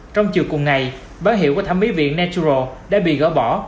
trong chiều cùng ngày báo hiệu của thẩm mỹ viện naturo đã bị gỡ bỏ